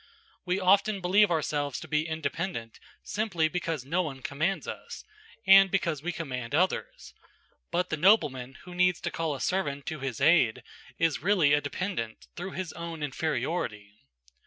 We often believe ourselves to be independent simply because no one commands us, and because we command others; but the nobleman who needs to call a servant to his aid is really a dependent through his own inferiority.